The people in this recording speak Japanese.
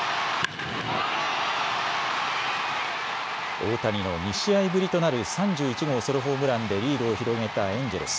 大谷の２試合ぶりとなる３１号ソロホームランでリードを広げたエンジェルス。